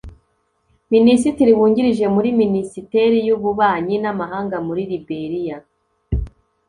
Minisitiri wungirije muri Minisiteri y’Ububanyi n’Amahanga muri Liberia